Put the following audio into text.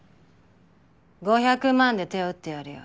５００万で手を打ってやるよ。